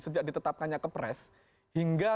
sejak ditetapkannya ke pres hingga